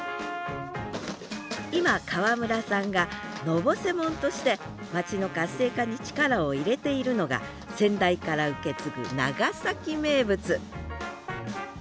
今川村さんが「のぼせもん」として街の活性化に力を入れているのが先代から受け継ぐ長崎名物